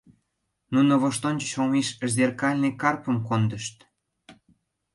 Нуно воштончыш олмеш зеркальный карпым кондышт.